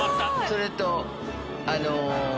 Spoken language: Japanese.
それとあの。